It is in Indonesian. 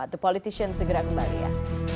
the politician segera kembali ya